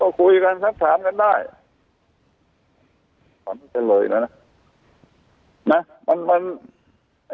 ก็คุยกันสักถามกันได้เป็นเลยนะนะนะมันมัน